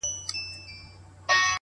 ټولي دنيا سره خبري كوم.!